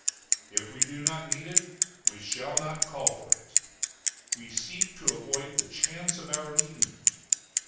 If we do not need it, we shall not call for it. We seek to avoid the chance of our needing it.